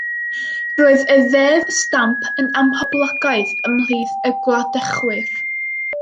Roedd y Ddeddf Stamp yn amhoblogaidd ymhlith y gwladychwyr.